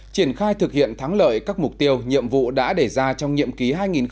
triển khai thực hiện thắng lợi các mục tiêu nhiệm vụ đã để ra trong nhiệm ký hai nghìn một mươi bốn hai nghìn một mươi chín